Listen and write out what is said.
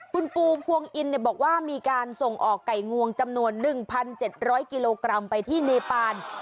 คุณปูพวงอินบอกว่ามีการส่งออกไก่งวงจำนวน๑๗๐๐กิโลกรัมไปที่เนปาน